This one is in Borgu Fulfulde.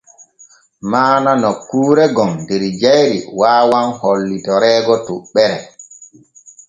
Maana nokkuure gon der jayri waawan hollitoreego toɓɓere.